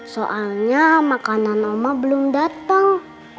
soalnya makanan oma belum datang